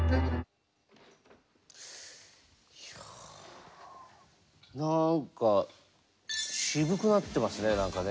いやなんか渋くなってますね何かね。